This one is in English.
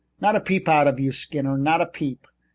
"Not a peep out of you, Skinner. Not a peep.